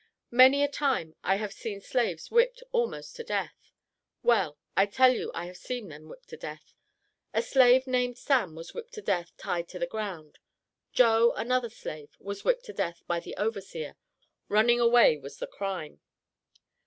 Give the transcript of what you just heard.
Many a time I have seen slaves whipped almost to death well, I tell you I have seen them whipped to death. A slave named Sam was whipped to death tied to the ground. Joe, another slave, was whipped to death by the overseer: running away was the crime.